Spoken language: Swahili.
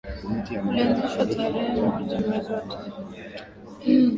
ulianzishwa tarerhe moja mwezi wa tano